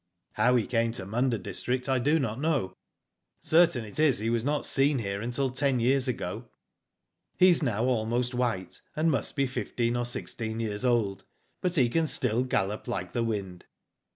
"How he came to Munda district I do not know. Certain it is, he was not seen here until ten years ago. He is now almost white, and must be fifteen or sixteen years old, but he can still gallop like the wind.